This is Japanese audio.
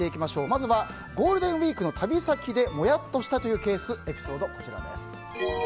まずはゴールデンウィークの旅先でもやっとしたというケースエピソードはこちら。